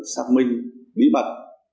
xác minh bí mật